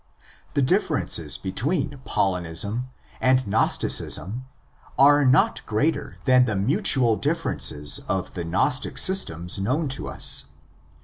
The differences between Paulinism and Gnosticism are not greater than the mutual differences of the Gnostic systems known to us.